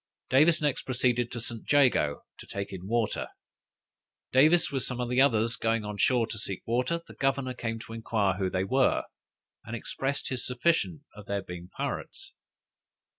Davis next proceeded to St. Jago to take in water. Davis, with some others going on shore to seek water, the governor came to inquire who they were, and expressed his suspicion of their being pirates.